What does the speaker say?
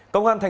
công an tp hcm